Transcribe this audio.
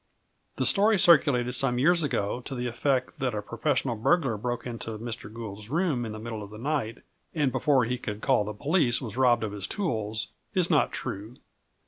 The story circulated some years ago to the effect that a professional burglar broke into Mr. Gould's room in the middle of the night and before he could call the police was robbed of his tools, is not true.